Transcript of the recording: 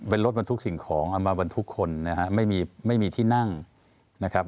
เป็นรถบรรทุกสิ่งของเอามาบรรทุกคนนะฮะไม่มีไม่มีที่นั่งนะครับ